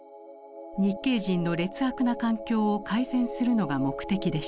日系人の劣悪な環境を改善するのが目的でした。